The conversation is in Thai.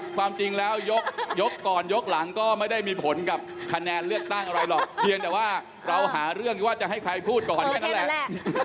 ความจริงแล้วยกก่อนยกหลังก็ไม่ได้มีผลกับคะแนนเลือกตั้งอะไรหรอกเพียงแต่ว่าเราหาเรื่องว่าจะให้ใครพูดก่อนแค่นั้นแหละ